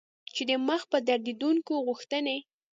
چې د مخ په ډیریدونکي غوښتنې